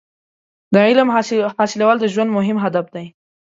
• د علم حاصلول د ژوند مهم هدف دی.